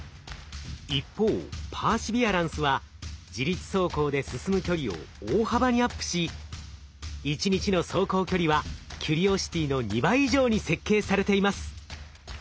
一方パーシビアランスは自律走行で進む距離を大幅にアップし１日の走行距離はキュリオシティの２倍以上に設計されています。